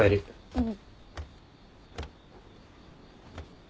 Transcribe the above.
うん。